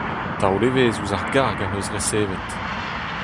Taol evezh ouzh ar garg ac’h eus resevet.